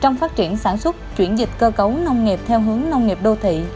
trong phát triển sản xuất chuyển dịch cơ cấu nông nghiệp theo hướng nông nghiệp đô thị